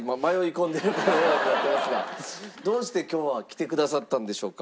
どうして今日は来てくださったんでしょうか？